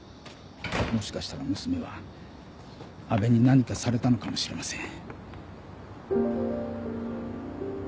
もしかしたら娘は阿部に何かされたのかもしれません。